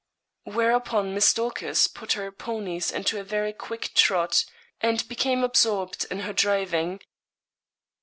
Whereupon Miss Dorcas put her ponies into a very quick trot, and became absorbed in her driving.